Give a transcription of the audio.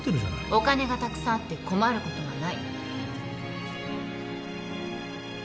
お金がたくさんあって困ることはない。